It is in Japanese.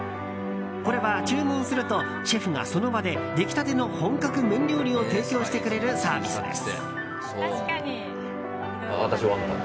これは、注文するとシェフがその場で出来たての本格麺料理を提供してくれるサービスです。